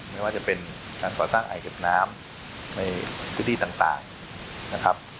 ไม่ว่าจะเป็นการก่อสร้างอ่างเก็บน้ำในพื้นที่ต่างนะครับ